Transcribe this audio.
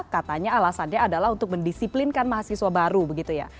katanya alasannya adalah untuk mendisiplinkan mahasiswa baru begitu ya